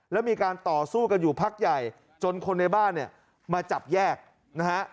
แล้วมีการต่อสู้กันอยู่พักใหญ่จนคนในบ้านเนี่ยมาจับแยกนะฮะ